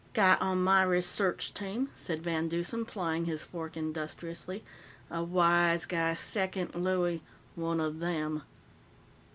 "Guy on my research team," said VanDeusen, plying his fork industriously. "A wise guy second looie. One of them."